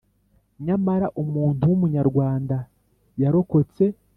Nyamara umuntu w’Umunyarwanda yarokotse